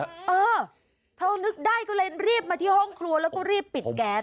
เออเธอนึกได้ก็เลยรีบมาที่ห้องครัวแล้วก็รีบปิดแก๊ส